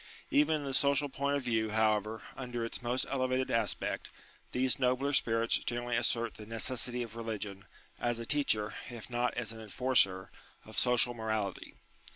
96 UTILITY OF RELIGION Even in the social point of view, however, under its most elevated aspect, these nobler spirits generally assert the necessity of religion, as a teacher, if not as an enforcer, of social morality.